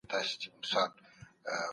دا نبوي سنت دی.